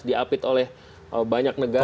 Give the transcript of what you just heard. diapit oleh banyak negara